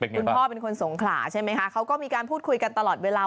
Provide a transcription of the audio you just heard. คุณพ่อเป็นคนสงขลาใช่ไหมคะเขาก็มีการพูดคุยกันตลอดเวลา